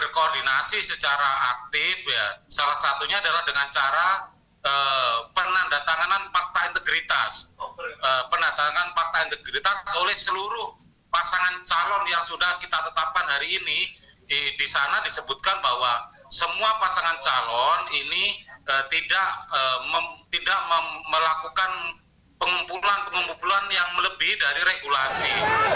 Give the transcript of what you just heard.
karena disebutkan bahwa semua pasangan calon ini tidak melakukan pengumpulan pengumpulan yang melebih dari regulasi